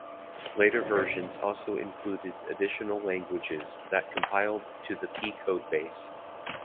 Later versions also included additional languages that compiled to the p-code base.